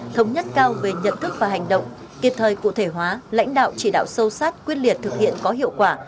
thống nhất cao về nhận thức và hành động kịp thời cụ thể hóa lãnh đạo chỉ đạo sâu sát quyết liệt thực hiện có hiệu quả